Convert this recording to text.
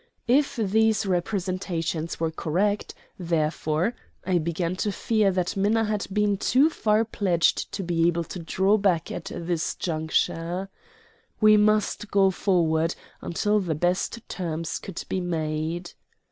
If these representations were correct, therefore, I began to fear that Minna had been too far pledged to be able to draw back at this juncture. We must go forward until the best terms could be made.